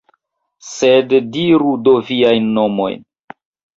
Sed diru do viajn nomojn!